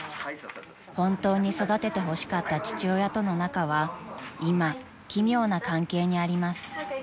［本当に育ててほしかった父親との仲は今奇妙な関係にあります］